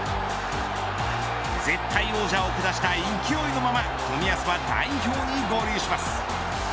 絶対王者を下した勢いのまま冨安は代表に合流します。